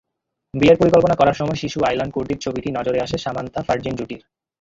বিয়ের পরিকল্পনা করার সময় শিশু আয়লান কুর্দির ছবিটি নজরে আসে সামান্থা-ফারজিন জুটির।